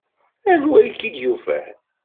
Anwa i k-id-yufan?